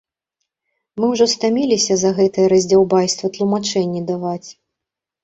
Мы ўжо стаміліся за гэтае раздзяўбайства тлумачэнні даваць.